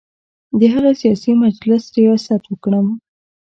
د هغه سیاسي مجلس ریاست وکړم.